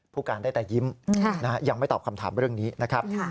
ผู้การได้แต่ยิ้มยังไม่ตอบคำถามเรื่องนี้นะครับ